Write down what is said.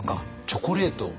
チョコレートを。